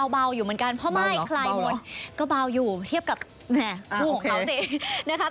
เบาอยู่เหมือนกันเพราะไม่ใครหมดก็เบาอยู่เทียบกับผู้ของเขาสิ